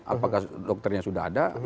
apakah dokternya sudah ada